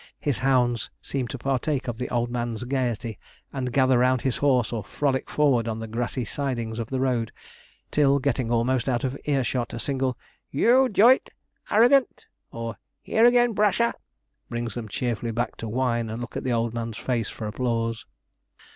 His hounds seem to partake of the old man's gaiety, and gather round his horse or frolic forward on the grassy sidings of the road, till, getting almost out of earshot, a single 'yooi doit! Arrogant!' or 'here again, Brusher!' brings them cheerfully back to whine and look in the old man's face for applause.